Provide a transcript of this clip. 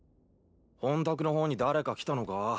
本宅の方に誰か来たのか？